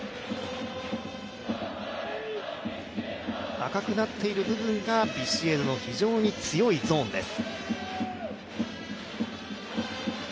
赤くなっている部分がビシエドの非常に強いゾーンです。